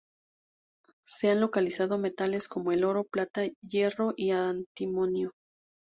Se han localizado metales como el oro, plata, hierro y antimonio.